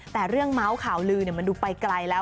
แต่เรื่องเมาส์ข่าวลือมันดูไปไกลแล้ว